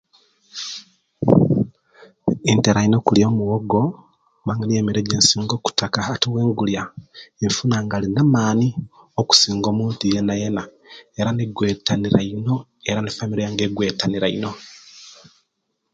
Intera ino okulya omuwogo kuba niyo emere ejensinga okutaka ate owengulya nfuna nga inina amani okusinga omuntu yenayena era negwetanira ino era ne'familyu yange egwetanira ino